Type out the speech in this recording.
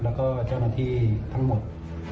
แล้วก็เจ้าหน้าที่ทั้งหมด